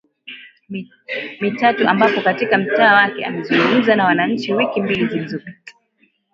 mitatu ambapo katika mtaa wake amezungumza na wananchi wiki mbili zilizopita